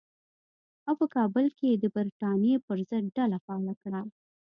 او په کابل کې یې د برټانیې پر ضد ډله فعاله کړه.